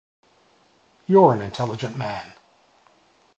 You’re an intelligent man.